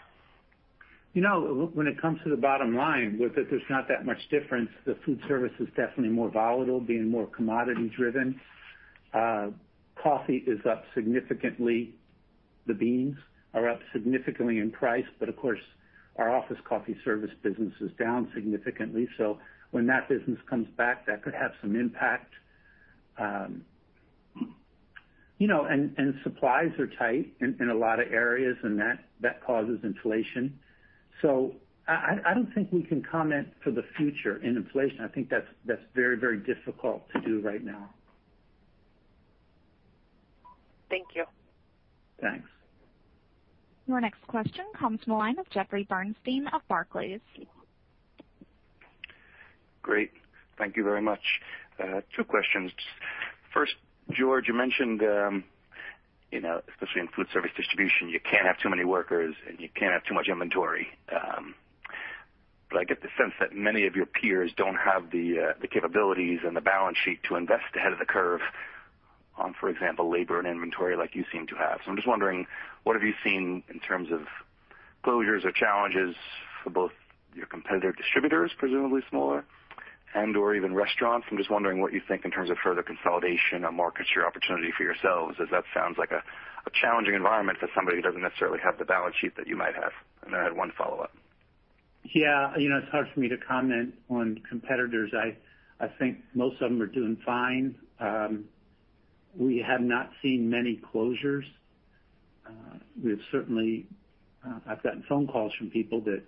S3: When it comes to the bottom line, there's not that much difference. The foodservice is definitely more volatile, being more commodity-driven. Coffee is up significantly. The beans are up significantly in price. Of course, our office coffee service business is down significantly. When that business comes back, that could have some impact. Supplies are tight in a lot of areas, and that causes inflation. I don't think we can comment for the future in inflation. I think that's very, very difficult to do right now.
S10: Thank you.
S3: Thanks.
S1: Your next question comes from the line of Jeffrey Bernstein of Barclays.
S11: Great. Thank you very much. Two questions. First, George, you mentioned, especially in foodservice distribution, you can't have too many workers and you can't have too much inventory. I get the sense that many of your peers don't have the capabilities and the balance sheet to invest ahead of the curve on, for example, labor and inventory like you seem to have. I'm just wondering, what have you seen in terms of closures or challenges for both your competitor distributors, presumably smaller? Or even restaurants. I'm just wondering what you think in terms of further consolidation or market share opportunity for yourselves, as that sounds like a challenging environment for somebody who doesn't necessarily have the balance sheet that you might have. I had one follow-up.
S3: Yeah. It's hard for me to comment on competitors. I think most of them are doing fine. We have not seen many closures. I've gotten phone calls from people that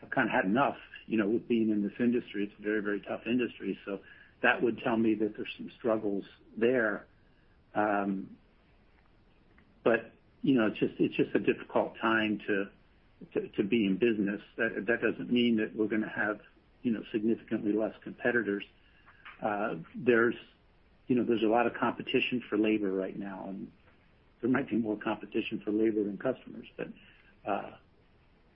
S3: have kind of had enough with being in this industry. It's a very, very tough industry. That would tell me that there's some struggles there. It's just a difficult time to be in business. That doesn't mean that we're going to have significantly less competitors. There's a lot of competition for labor right now, and there might be more competition for labor than customers, but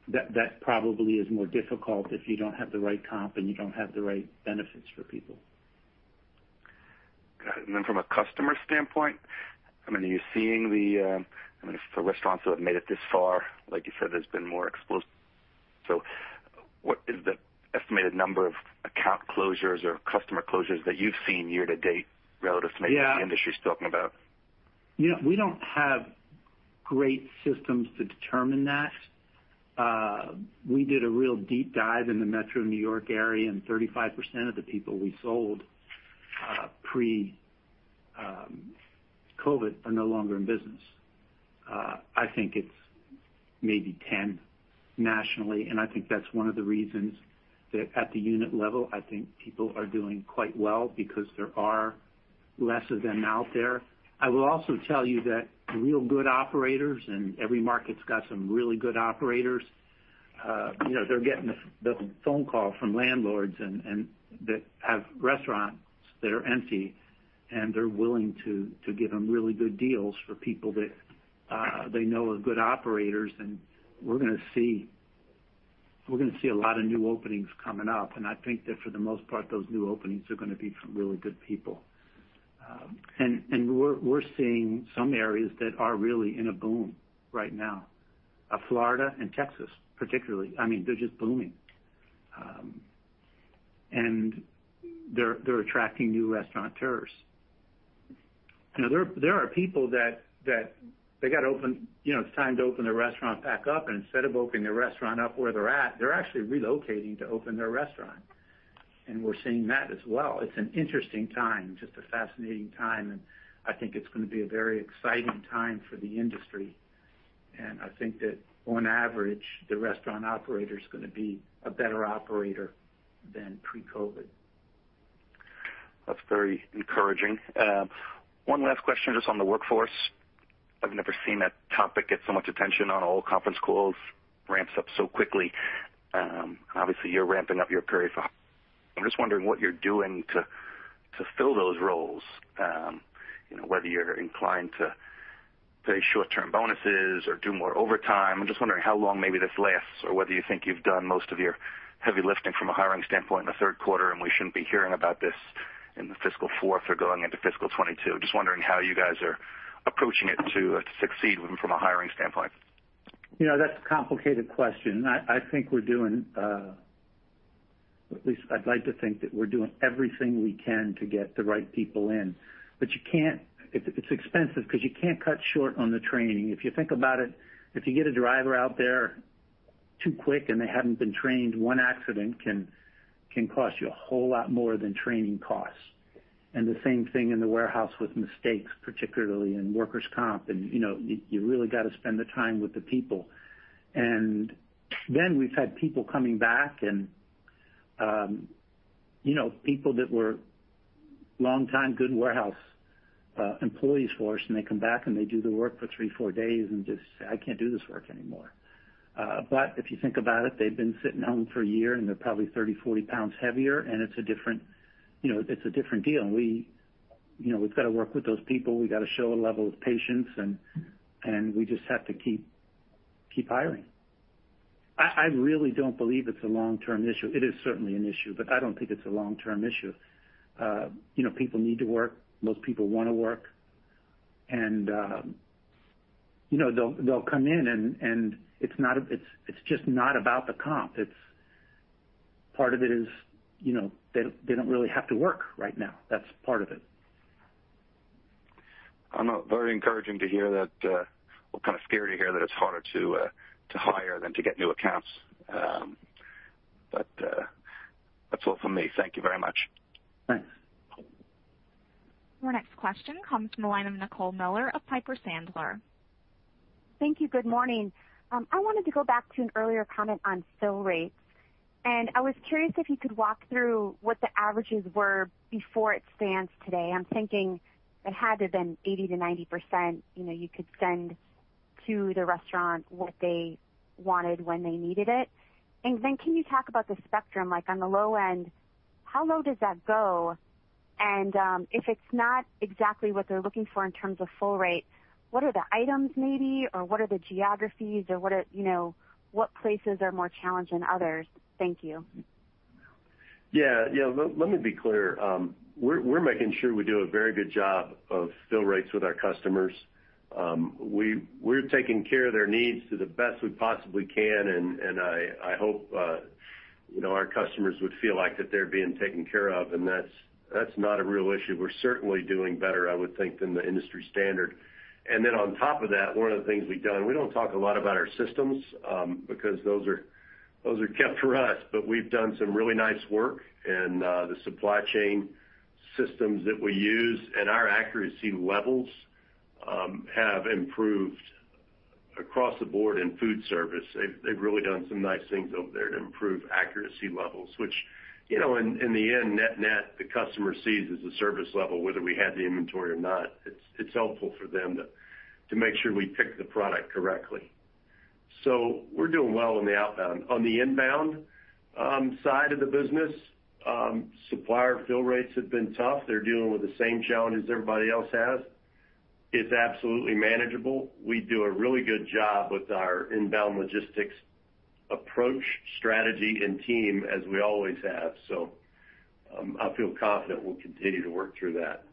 S3: that probably is more difficult if you don't have the right comp and you don't have the right benefits for people.
S11: Got it. From a customer standpoint, are you seeing the, for restaurants that have made it this far, like you said, there's been more explosive. What is the estimated number of account closures or customer closures that you've seen year-to-date-
S3: Yeah.
S11: what the industry is talking about?
S3: We don't have great systems to determine that. We did a real deep dive in the Metro New York area. 35% of the people we sold pre-COVID are no longer in business. I think it's maybe 10 nationally. I think that's one of the reasons that at the unit level, I think people are doing quite well because there are less of them out there. I will also tell you that real good operators, and every market's got some really good operators, they're getting the phone call from landlords that have restaurants that are empty, and they're willing to give them really good deals for people that they know are good operators. We're going to see a lot of new openings coming up. I think that for the most part, those new openings are going to be from really good people. We're seeing some areas that are really in a boom right now. Florida and Texas, particularly. They're just booming. They're attracting new restaurateurs. There are people that it's time to open their restaurant back up, and instead of opening their restaurant up where they're at, they're actually relocating to open their restaurant. We're seeing that as well. It's an interesting time, just a fascinating time, and I think it's going to be a very exciting time for the industry. I think that on average, the restaurant operator is going to be a better operator than pre-COVID.
S11: That's very encouraging. One last question, just on the workforce. I've never seen that topic get so much attention on all conference calls, ramps up so quickly. I'm just wondering what you're doing to fill those roles, whether you're inclined to pay short-term bonuses or do more overtime. I'm just wondering how long maybe this lasts or whether you think you've done most of your heavy lifting from a hiring standpoint in the third quarter. We shouldn't be hearing about this in the fiscal fourth or going into fiscal 2022. Just wondering how you guys are approaching it to succeed from a hiring standpoint.
S3: That's a complicated question. I think we're doing, at least I'd like to think that we're doing everything we can to get the right people in. It's expensive because you can't cut short on the training. If you think about it, if you get a driver out there too quick and they haven't been trained, one accident can cost you a whole lot more than training costs. The same thing in the warehouse with mistakes, particularly in workers' comp. You really got to spend the time with the people. Then we've had people coming back and people that were longtime good warehouse employees for us, and they come back and they do the work for three, four days and just say, "I can't do this work anymore." If you think about it, they've been sitting home for a year and they're probably 30, 40 pounds heavier, and it's a different deal. We've got to work with those people. We got to show a level of patience, and we just have to keep hiring. I really don't believe it's a long-term issue. It is certainly an issue, but I don't think it's a long-term issue. People need to work. Most people want to work, and they'll come in, and it's just not about the comp. Part of it is they don't really have to work right now. That's part of it.
S11: Very encouraging to hear that. Well, kind of scary to hear that it's harder to hire than to get new accounts. That's all from me. Thank you very much.
S3: Thanks.
S1: Our next question comes from the line of Nicole Miller of Piper Sandler.
S12: Thank you. Good morning. I wanted to go back to an earlier comment on fill rates. I was curious if you could walk through what the averages were before it stands today. I'm thinking it had to have been 80%-90%, you could send to the restaurant what they wanted when they needed it. Then can you talk about the spectrum, like on the low end, how low does that go? If it's not exactly what they're looking for in terms of fill rate, what are the items maybe, or what are the geographies or what places are more challenged than others? Thank you.
S4: Yeah. Let me be clear. We're making sure we do a very good job of fill rates with our customers. We're taking care of their needs to the best we possibly can and I hope our customers would feel like that they're being taken care of, and that's not a real issue. We're certainly doing better, I would think, than the industry standard. On top of that, one of the things we've done, we don't talk a lot about our systems because those are kept for us, but we've done some really nice work in the supply chain systems that we use. Our accuracy levels have improved across the board in foodservice. They've really done some nice things over there to improve accuracy levels, which in the end, net-net, the customer sees as a service level, whether we had the inventory or not. It's helpful for them to make sure we pick the product correctly. We're doing well on the outbound. On the inbound side of the business, supplier fill rates have been tough. They're dealing with the same challenges everybody else has. It's absolutely manageable. We do a really good job with our inbound logistics approach, strategy, and team as we always have. I feel confident we'll continue to work through that.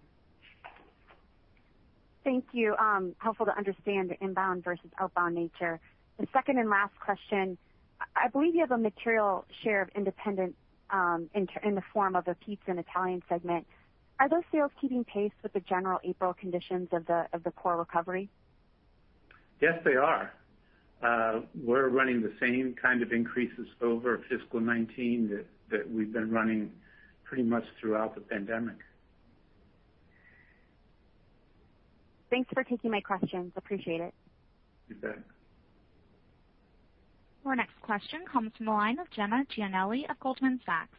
S12: Thank you. Helpful to understand the inbound versus outbound nature. The second and last question. I believe you have a material share of independent, in the form of a pizza and Italian segment. Are those sales keeping pace with the general April conditions of the core recovery?
S3: Yes, they are. We're running the same kind of increases over fiscal 2019 that we've been running pretty much throughout the pandemic.
S12: Thanks for taking my questions. Appreciate it.
S3: You bet.
S1: Our next question comes from the line of Jenna Giannelli of Goldman Sachs.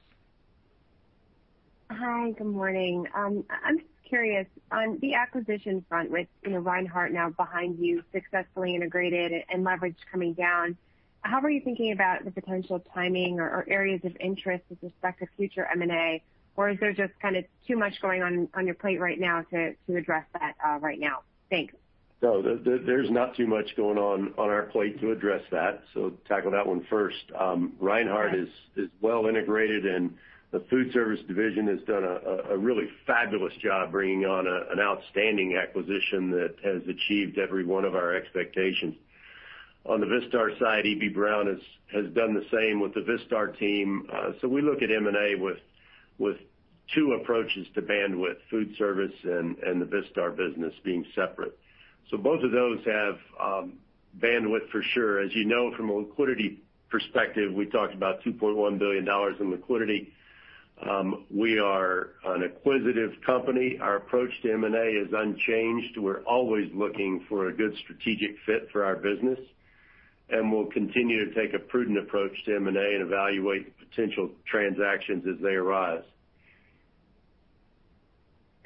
S13: Hi, good morning. I'm just curious, on the acquisition front with Reinhart now behind you, successfully integrated and leverage coming down, how are you thinking about the potential timing or areas of interest with respect to future M&A? Is there just kind of too much going on your plate right now to address that right now? Thanks.
S4: No, there's not too much going on our plate to address that. Tackle that one first. Reinhart is well integrated, and the foodservice division has done a really fabulous job bringing on an outstanding acquisition that has achieved every one of our expectations. On the Vistar side, Eby-Brown has done the same with the Vistar team. We look at M&A with two approaches to bandwidth, foodservice and the Vistar business being separate. Both of those have bandwidth for sure. As you know from a liquidity perspective, we talked about $2.1 billion in liquidity. We are an acquisitive company. Our approach to M&A is unchanged. We're always looking for a good strategic fit for our business, and we'll continue to take a prudent approach to M&A and evaluate potential transactions as they arise.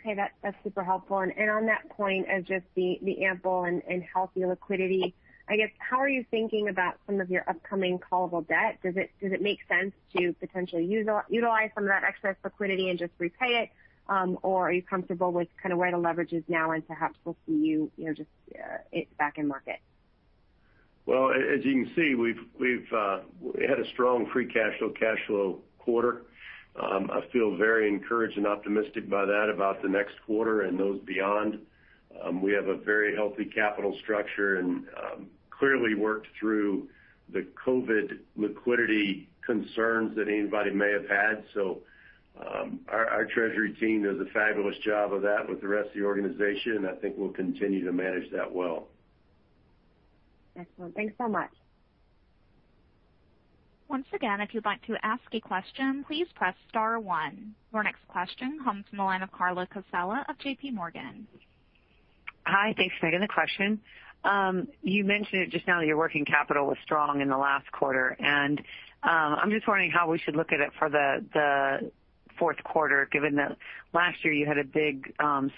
S13: Okay. That's super helpful. On that point of just the ample and healthy liquidity, I guess how are you thinking about some of your upcoming callable debt? Does it make sense to potentially utilize some of that excess liquidity and just repay it? Are you comfortable with kind of where the leverage is now and perhaps we'll see you just back in market?
S4: Well, as you can see, we've had a strong free cash flow quarter. I feel very encouraged and optimistic by that about the next quarter and those beyond. We have a very healthy capital structure and clearly worked through the COVID liquidity concerns that anybody may have had. Our Treasury team does a fabulous job of that with the rest of the organization, and I think we'll continue to manage that well.
S13: Excellent. Thanks so much.
S1: Once again, if you'd like to ask a question, please press star one. Our next question comes from the line of Carla Casella of JPMorgan.
S14: Hi. Thanks, Megan. The question, you mentioned it just now that your working capital was strong in the last quarter, and I'm just wondering how we should look at it for the fourth quarter, given that last year you had a big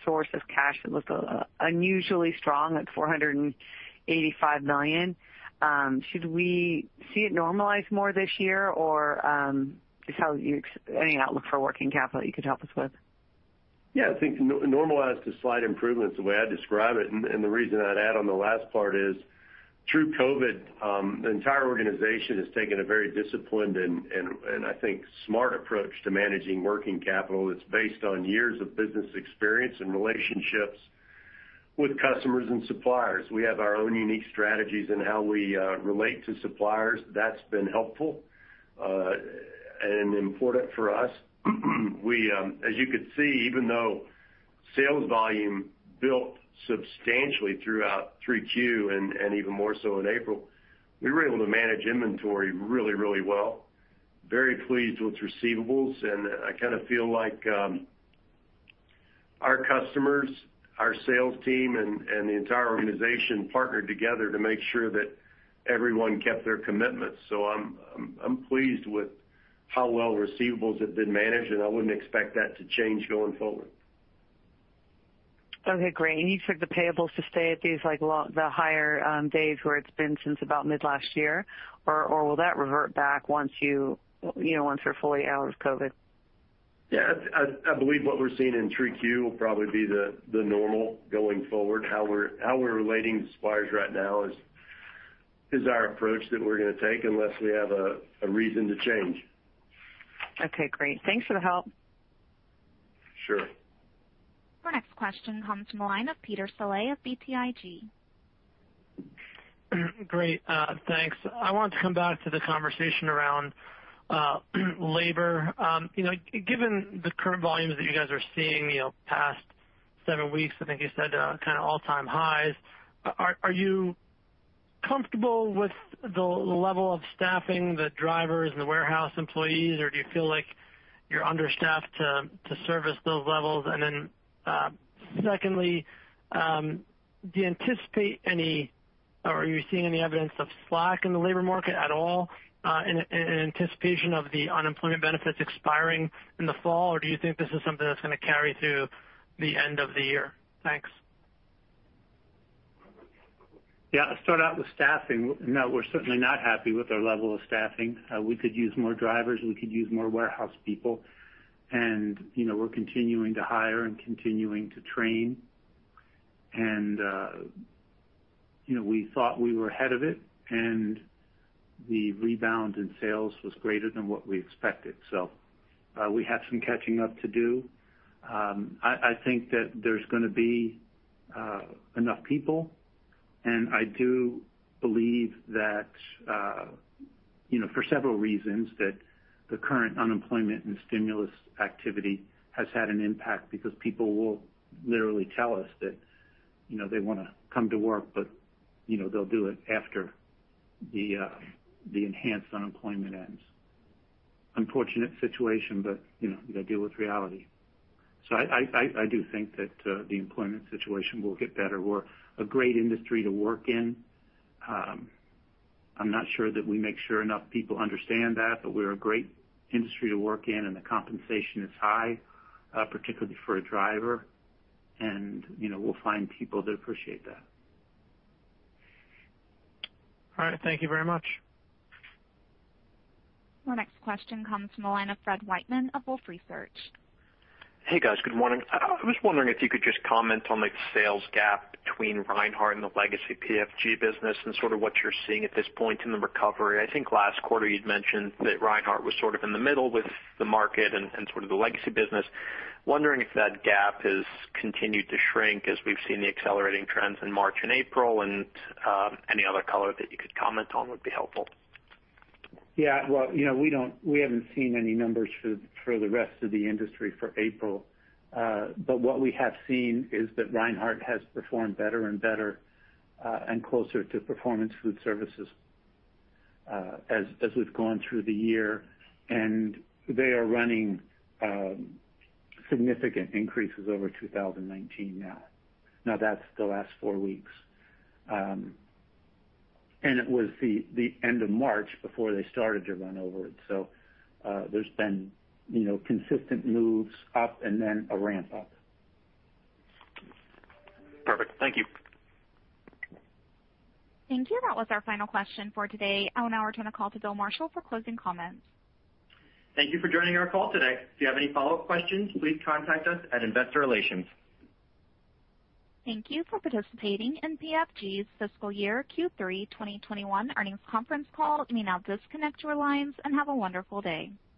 S14: source of cash that looked unusually strong at $485 million. Should we see it normalize more this year? Just any outlook for working capital you could help us with?
S4: Yeah, I think normalized to slight improvement is the way I'd describe it. The reason I'd add on the last part is through COVID, the entire organization has taken a very disciplined and, I think, smart approach to managing working capital that's based on years of business experience and relationships with customers and suppliers. We have our own unique strategies in how we relate to suppliers. That's been helpful and important for us. As you could see, even though sales volume built substantially throughout Q3 and even more so in April, we were able to manage inventory really well. Very pleased with receivables, and I kind of feel like our customers, our sales team, and the entire organization partnered together to make sure that everyone kept their commitments. I'm pleased with how well receivables have been managed, and I wouldn't expect that to change going forward.
S14: Okay, great. You expect the payables to stay at these, like, the higher days where it's been since about mid last year? Will that revert back once you're fully out of COVID?
S4: I believe what we're seeing in Q3 will probably be the normal going forward. How we're relating to suppliers right now is our approach that we're going to take unless we have a reason to change.
S14: Okay, great. Thanks for the help.
S4: Sure.
S1: Our next question comes from the line of Peter Saleh of BTIG.
S15: Great. Thanks. I want to come back to the conversation around labor. Given the current volumes that you guys are seeing, past seven weeks, I think you said kind of all-time highs. Are you comfortable with the level of staffing, the drivers and the warehouse employees, or do you feel like you're understaffed to service those levels? Secondly, do you anticipate any, or are you seeing any evidence of slack in the labor market at all in anticipation of the unemployment benefits expiring in the fall? Do you think this is something that's going to carry through the end of the year? Thanks.
S3: Yeah, I'll start out with staffing. No, we're certainly not happy with our level of staffing. We could use more drivers, we could use more warehouse people. We're continuing to hire and continuing to train. We thought we were ahead of it and the rebound in sales was greater than what we expected. We have some catching up to do. I think that there's going to be enough people, and I do believe that, for several reasons, that the current unemployment and stimulus activity has had an impact because people will literally tell us that they want to come to work, but they'll do it after the enhanced unemployment ends. Unfortunate situation, but you got to deal with reality. I do think that the employment situation will get better. We're a great industry to work in. I'm not sure that we make sure enough people understand that, but we're a great industry to work in and the compensation is high, particularly for a driver. We'll find people that appreciate that.
S15: All right. Thank you very much.
S1: Our next question comes from the line of Fred Wightman of Wolfe Research.
S16: Hey, guys. Good morning. I was wondering if you could just comment on the sales gap between Reinhart and the legacy PFG business and sort of what you're seeing at this point in the recovery. I think last quarter you'd mentioned that Reinhart was sort of in the middle with the market and sort of the legacy business. I am wondering if that gap has continued to shrink as we've seen the accelerating trends in March and April, and any other color that you could comment on would be helpful.
S3: Yeah. Well, we haven't seen any numbers for the rest of the industry for April. What we have seen is that Reinhart has performed better and better, and closer to Performance Foodservice as we've gone through the year. They are running significant increases over 2019 now. Now, that's the last four weeks. It was the end of March before they started to run over it. There's been consistent moves up and then a ramp-up.
S16: Perfect. Thank you.
S1: Thank you. That was our final question for today. I will now turn the call to Bill Marshall for closing comments.
S2: Thank you for joining our call today. If you have any follow-up questions, please contact us at Investor Relations.
S1: Thank you for participating in PFG's fiscal year Q3 2021 earnings conference call. You may now disconnect your lines, and have a wonderful day.